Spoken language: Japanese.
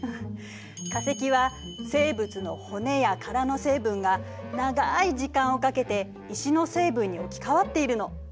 化石は生物の骨や殻の成分が長い時間をかけて石の成分に置き換わっているの。